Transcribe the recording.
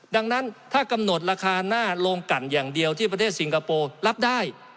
ดังนั้นถ้ากำหนดราคาหน้าโรงกันอย่างเดียวที่ประเทศสิงคโปร์รับได้